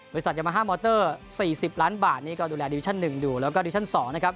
บริษัทยามห้ามอเตอร์๔๐ล้านบาทนี่ก็ดูแลดิวิชั่น๑แล้วก็ดิวิชั่น๒นะครับ